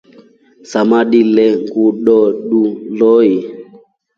Samadii le ningdoodu loli.